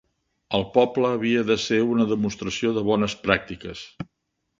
El poble havia de ser una demostració de bones pràctiques.